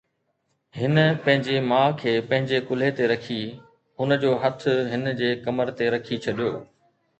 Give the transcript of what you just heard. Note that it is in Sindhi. هن پنهنجي ماءُ کي پنهنجي ڪلهي تي رکي، هن جو هٿ هن جي کمر تي رکي ڇڏيو